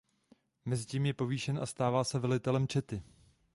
Mezitím je povýšen a stává se velitelem čety.